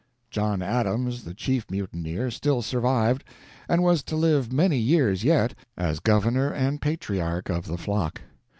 John Adams, the chief mutineer, still survived, and was to live many years yet, as governor and patriarch of the flock.